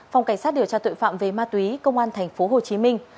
phòng cảnh sát điều tra tội phạm về ma túy công an tp hồ chí minh